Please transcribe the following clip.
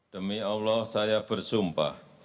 demi allah saya bersumpah